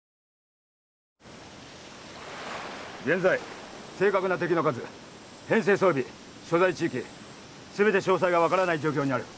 現在正確な敵の数編制装備所在地域全て詳細が分からない状況にある。